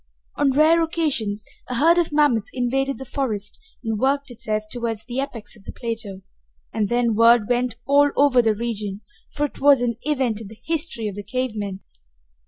On rare occasions a herd of mammoths invaded the forest and worked itself toward the apex of the plateau, and then word went all over the region, for it was an event in the history of the cave men.